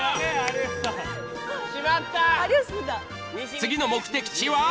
次の目的地は。